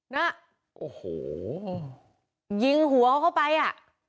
นะโอ้โหยิงหัวเขาไปอ่ะ